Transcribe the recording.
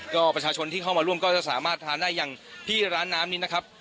ก็ประชาชนที่เข้ามาร่วมก็จะสามารถทานได้อย่างที่ร้านน้ำนี้นะครับ